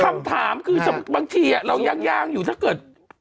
คำถามคือบางทีเรายางอยู่ถ้าเกิด